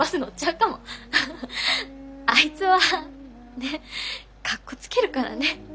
あいつはねかっこつけるからね。